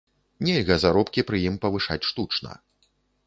Нельга заробкі пры ім павышаць штучна.